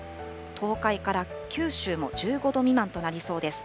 東海から九州も１５度未満となりそうです。